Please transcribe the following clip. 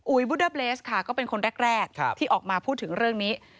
วุดเดอร์เบลสค่ะก็เป็นคนแรกที่ออกมาพูดถึงเรื่องนี้